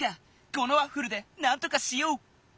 このワッフルでなんとかしよう！